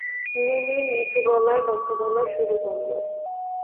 মুনির নিচু গলায় কথা বলা শুরু করল।